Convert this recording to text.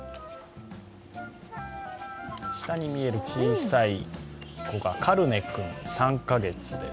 下に見える小さい子がカルネ君３カ月です。